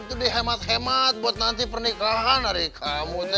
itu dihemat hemat buat nanti pernikahan hari kamu teh